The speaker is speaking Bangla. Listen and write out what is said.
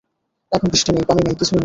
এখন বৃষ্টি নেই, পানি নেই, কিছুই নেই।